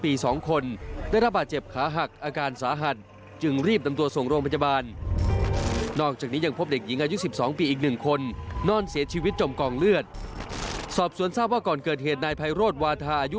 อีกหนึ่งคนนอนเสียชีวิตจมกองเลือดสอบสวนทราบว่าก่อนเกิดเหตุนายไพโรดวาทาอายุ